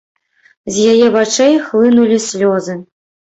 З яе вачэй хлынулі слёзы.